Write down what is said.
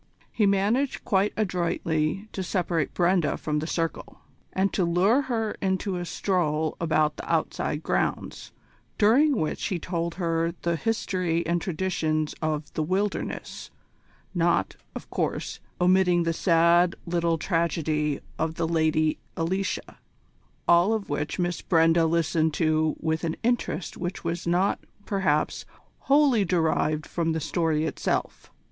He managed quite adroitly to separate Brenda from the circle, and to lure her into a stroll about the outside grounds, during which he told her the history and traditions of "The Wilderness" not, of course, omitting the sad little tragedy of the Lady Alicia, all of which Miss Brenda listened to with an interest which was not, perhaps, wholly derived from the story itself.